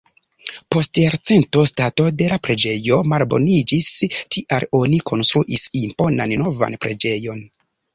Post jarcento stato de la preĝejo malboniĝis, tial oni konstruis imponan novan preĝejon.